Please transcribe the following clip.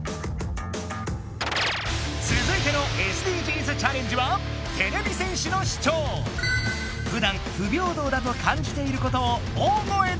つづいてのＳＤＧｓチャレンジはふだん不平等だと感じていることを大声でさけべ！